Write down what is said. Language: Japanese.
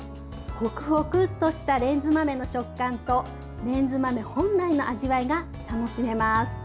ほくほくとしたレンズ豆の食感とレンズ豆本来の味わいが楽しめます。